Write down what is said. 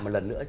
một lần nữa